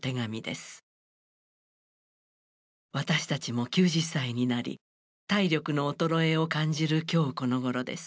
「私たちも９０歳になり体力の衰えを感じる今日このごろです。